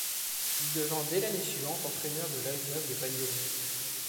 Il devient dès l'année suivante entraîneur de l'Alsace de Bagnolet.